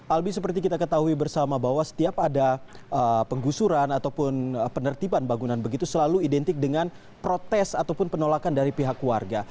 albi seperti kita ketahui bersama bahwa setiap ada penggusuran ataupun penertiban bangunan begitu selalu identik dengan protes ataupun penolakan dari pihak warga